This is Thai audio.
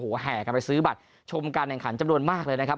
โอ้โหแห่กันไปซื้อบัตรชมการแข่งขันจำนวนมากเลยนะครับ